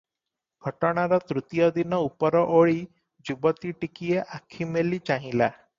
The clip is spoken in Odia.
ଘଟଣାର ତୃତୀୟ ଦିନ ଉପରଓଳି ଯୁବତୀ ଟିକିଏ ଆଖି ମେଲି ଚାହିଁଲା ।